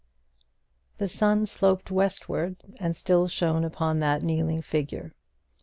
The sun sloped westward, and still shone upon that kneeling figure.